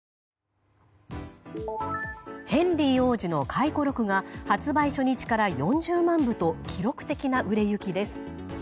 ヘンリー王子の回顧録が発売初日から４０万部と記録的な売れ行きです。